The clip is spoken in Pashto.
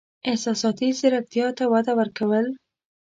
احساساتي زیرکتیا ته وده ورکول: